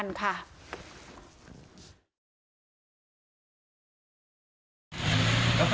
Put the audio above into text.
งานสนานค่ะ